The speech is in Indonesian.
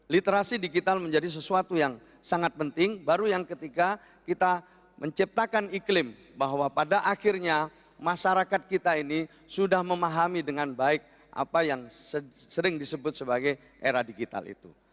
literasi digital menjadi sesuatu yang sangat penting baru yang ketika kita menciptakan iklim bahwa pada akhirnya masyarakat kita ini sudah memahami dengan baik apa yang sering disebut sebagai era digital itu